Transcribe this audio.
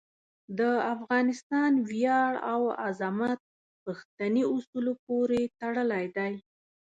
د افغانستان ویاړ او عظمت پښتني اصولو پورې تړلی دی.